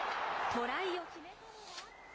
トライを決めたのは。